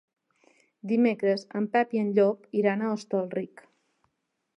Dimecres en Pep i en Llop iran a Hostalric.